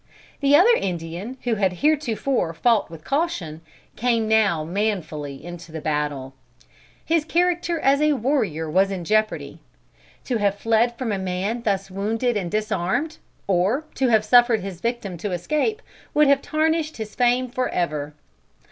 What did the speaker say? The other Indian, who had heretofore fought with caution, came now manfully into the battle. His character as a warrior was in jeopardy. To have fled from a man thus wounded and disarmed, or to have suffered his victim to escape, would have tarnished his fame for ever.